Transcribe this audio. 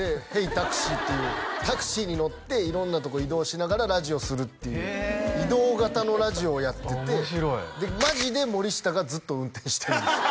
タクシー！」っていうタクシーに乗って色んなとこ移動しながらラジオするっていう移動型のラジオをやっててマジで森下がずっと運転してるんですよ